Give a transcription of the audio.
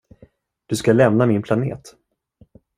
Du ska lämna min planet.